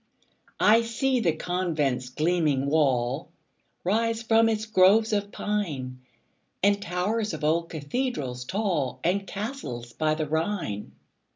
I see the convent's gleaming wall Rise from its groves of pine, And towers of old cathedrals tall, And castles by the Rhine.